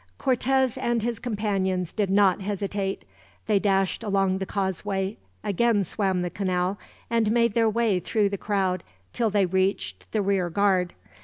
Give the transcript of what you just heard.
Cortez and his companions did not hesitate. They dashed along the causeway, again swam the canal, and made their way through the crowd until they reached the rear guard.